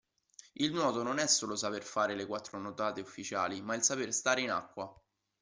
Il nuoto non è solo sapere fare le quattro nuotate ufficiali, ma è il saper stare in acqua.